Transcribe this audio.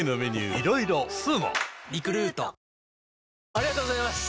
ありがとうございます！